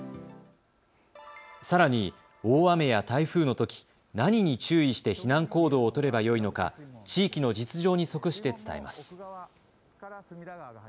さらに、大雨や台風のとき何に注意して避難行動をとればよいのか地域の実情に即して伝えます。